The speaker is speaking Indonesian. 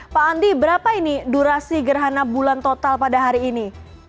pak andi berapa ini durasi gerhana bulan total pada hari ini